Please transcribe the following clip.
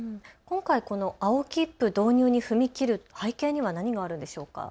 今回の青切符導入に踏み切る背景、何があるんでしょうか。